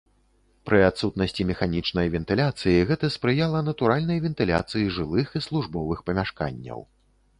Пры адсутнасці механічнай вентыляцыі гэта спрыяла натуральнай вентыляцыі жылых і службовых памяшканняў.